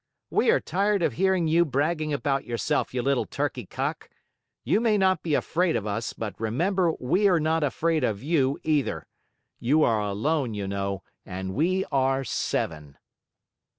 We are tired of hearing you bragging about yourself, you little turkey cock! You may not be afraid of us, but remember we are not afraid of you, either! You are alone, you know, and we are seven."